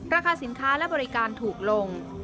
ราคาสินค้าและบริการถูกลง